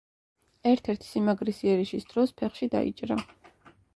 ერთ-ერთი სიმაგრის იერიშის დროს ფეხში დაიჭრა.